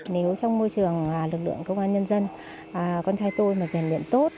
nếu trong môi trường lực lượng công an nhân dân con trai tôi mà rèn luyện tốt